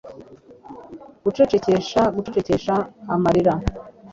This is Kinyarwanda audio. gucecekesha gucecekesha amarira